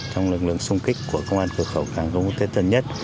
trong lực lượng xung kích của công an cửa khẩu hàng không quốc tế tân sơn nhất